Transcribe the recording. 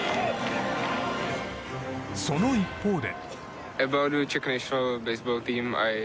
その一方で。